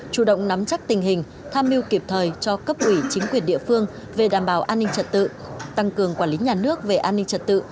chủ động nắm chắc tình hình tham mưu kịp thời cho cấp ủy chính quyền địa phương về đảm bảo an ninh trật tự tăng cường quản lý nhà nước về an ninh trật tự